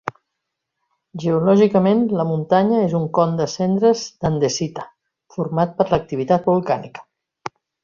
Geològicament, la muntanya és un con de cendres d'andesita, format per l'activitat volcànica.